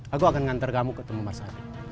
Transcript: aku akan ngantar kamu ketemu mas ardi